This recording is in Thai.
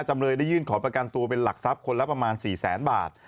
จำเลยได้ยื่นขอประกันตัวเป็นหลักทรัพย์คนละประมาณ๔แสนบาท